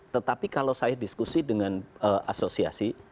tetapi kalau saya diskusi dengan asosiasi